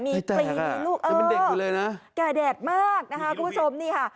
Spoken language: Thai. ไม่แตกอ่ะจะเป็นเด็กดูเลยนะเอ้อแก่แดดมากนะคะคุณผู้ชมนี่ค่ะ